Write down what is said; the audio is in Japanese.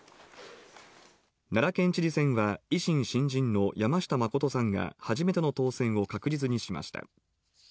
奈良県知事選は、維新・新人の山下真さんが初めての当選を確実にしました。